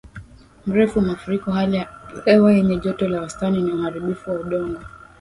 mrefu mafuriko hali ya hewa yenye joto la wastani na uharibifu wa udongo